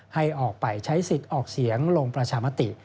ให้ออกไปใช้สิทธิ์ออกเสียงลงประชามติ